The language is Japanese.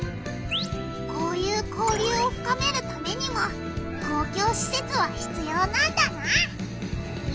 こういう交流をふかめるためにも公共しせつはひつようなんだな。